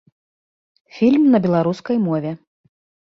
Фільм на беларускай мове.